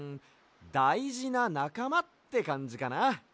だいじななかまってかんじかな。